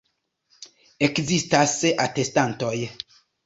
Ekzistas atestantoj.